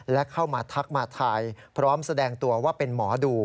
และเข้ามาทักมาทายพร้อมแสดงตัวว่าเป็นหมอดู